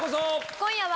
今夜は。